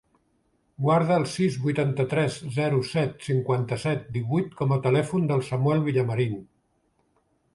Guarda el sis, vuitanta-tres, zero, set, cinquanta-set, divuit com a telèfon del Samuel Villamarin.